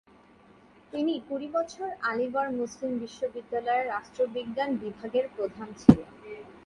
তিনি কুড়ি বছর আলীগড় মুসলিম বিশ্ববিদ্যালয়ের রাষ্ট্রবিজ্ঞান বিভাগের প্রধান ছিলেন।